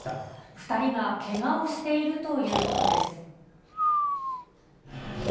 ２人がけがをしているということです。